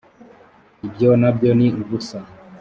ibyo na byo ni ubusa